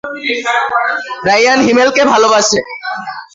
একটি নতুন জাতীয় হাসপাতাল নির্মাণাধীন।